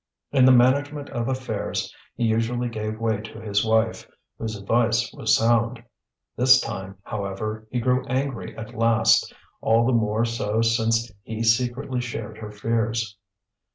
In the management of affairs he usually gave way to his wife, whose advice was sound. This time, however, he grew angry at last, all the more so since he secretly shared her fears.